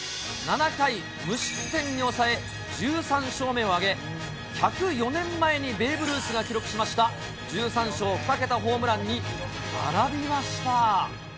７回無失点に抑え、１３勝目を挙げ、１０４年前にベーブ・ルースが記録しました、１３勝２桁ホームランに並びました。